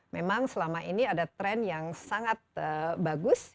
memang selama ini ada tren yang sangat bagus